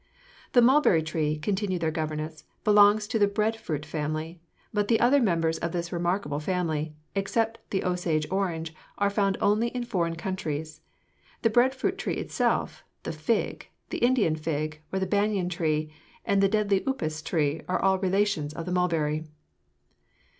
"The mulberry tree," continued their governess, "belongs to the bread fruit family, but the other members of this remarkable family, except the Osage orange, are found only in foreign countries. The bread fruit tree itself, the fig, the Indian fig, or banyan tree, and the deadly upas tree, are all relations of the mulberry."